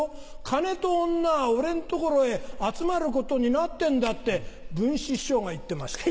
金と女は俺の所へ集まることになってんだって文枝師匠が言ってました。